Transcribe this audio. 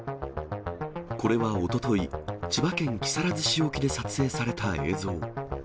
これはおととい、千葉県木更津市沖で撮影された映像。